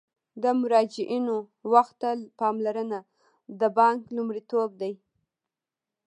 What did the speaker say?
د مراجعینو وخت ته پاملرنه د بانک لومړیتوب دی.